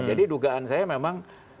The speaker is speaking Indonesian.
jadi dugaan saya memang